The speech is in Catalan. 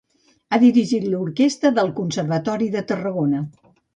Ha dirigit l'orquestra del Conservatori de Tarragona.